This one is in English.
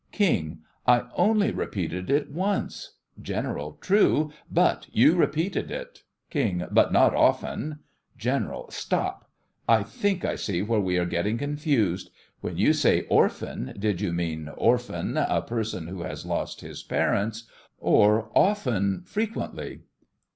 KING: I only repeated it once. GENERAL: True, but you repeated it. KING: But not often. GENERAL: Stop! I think I see where we are getting confused. When you said "orphan", did you mean "orphan",a person who has lost his parents, or "often", frequently?